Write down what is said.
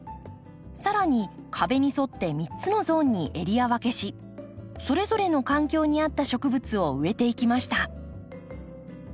さらに壁に沿って３つのゾーンにエリア分けしそれぞれの環境に合った植物を植えていきました。